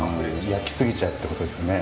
焼きすぎちゃうってことですよね。